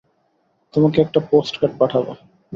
তোমাকে একটা পোস্টকার্ড পাঠাবো।